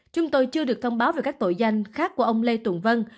chúng tôi chưa được thông báo về các tội danh khác của ông lê tùng vân